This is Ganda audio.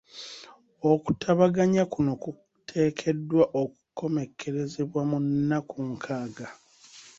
Okutabaganya kuno kuteekeddwa okukomekkerezebwa mu nnaku nkaaga.